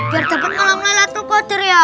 biar dapat malam laylatul qadar ya